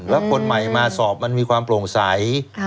แล้วคนใหม่มาสอบมันมีความโปร่งใส